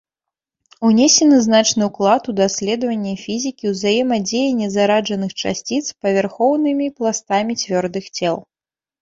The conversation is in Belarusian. Унесены значны ўклад у даследаванне фізікі ўзаемадзеяння зараджаных часціц з павярхоўнымі пластамі цвёрдых цел.